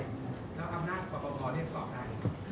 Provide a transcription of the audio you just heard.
แล้วอำนาจประปบรเรียกสอบอะไร